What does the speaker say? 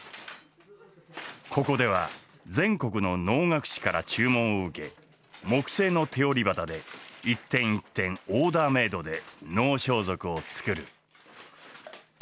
ここでは全国の能楽師から注文を受け木製の手織り機で一点一点オーダーメードで能装束を作る。